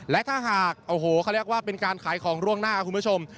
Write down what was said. และถ้าหากโอ้โหเขาเรียกว่าเป็นการขายของล่วงหน้าคุณผู้ชม